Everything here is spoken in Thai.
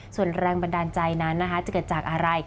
ส่วนแรงบันดาลใจนั้นนะคะจะเกิดจากอะไร